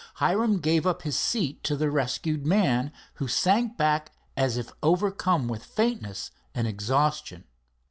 Hiram gave up his seat to the rescued man, who sank back as if overcome with faintness and exhaustion.